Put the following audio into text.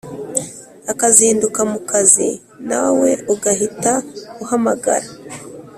akazinduka mukazi nawe ugahita uhamagara